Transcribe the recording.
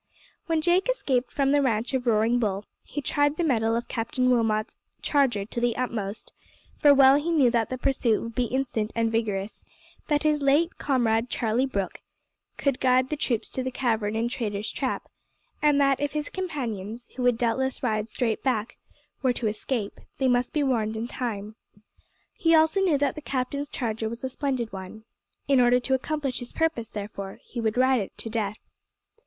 When Jake escaped from the ranch of Roaring Bull he tried the mettle of Captain Wilmot's charger to the uttermost, for well he knew that the pursuit would be instant and vigorous; that his late comrade Charlie Brooke could guide the troops to the cavern in Traitor's Trap, and that if his companions, who would doubtless ride straight back, were to escape, they must be warned in time. He also knew that the captain's charger was a splendid one. In order to accomplish his purpose, therefore, he would ride it to death.